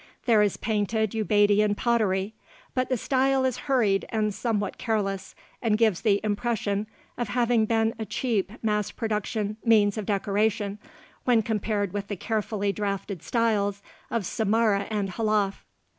There is painted Ubaidian pottery, but the style is hurried and somewhat careless and gives the impression of having been a cheap mass production means of decoration when compared with the carefully drafted styles of Samarra and Halaf.